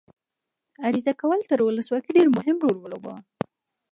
عریضه کول تر ولسواکۍ ډېر مهم رول ولوباوه.